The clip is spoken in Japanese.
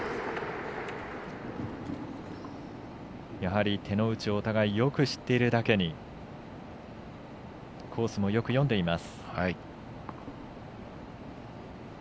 やはり手の内をお互いがよく知っているだけにコースもよく読んでいます。